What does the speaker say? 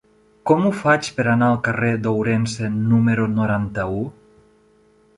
Com ho faig per anar al carrer d'Ourense número noranta-u?